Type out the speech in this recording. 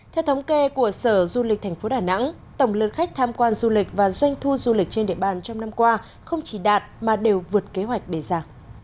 theo thống kê của sở du lịch thành phố đà nẵng tổng lượng khách tham quan du lịch và doanh thu du lịch trên địa bàn trong năm qua không chỉ đạt mà đều vượt kế hoạch đề ra